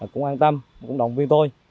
cũng an tâm cũng động viên tôi